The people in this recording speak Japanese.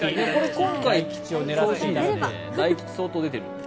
今回、大吉相当出てる。